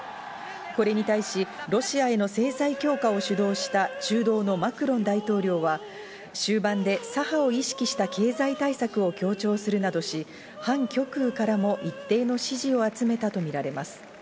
これに対し、ロシアへの制裁強化を主導した中道のマクロン大統領は終盤で左派を意識した経済対策を強調するなどし、反極右からも一定の支持を集めたとみられます。